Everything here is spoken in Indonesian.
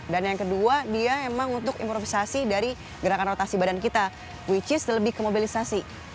dan yang kedua dia emang untuk improvisasi dari gerakan rotasi badan kita which is lebih ke mobilisasi